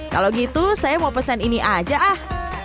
kalau gitu saya mau pesan ini aja ah